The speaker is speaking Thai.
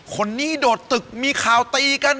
คนนี้โดดตึกมีข่าวตีกัน